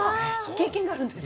経験があるんですか？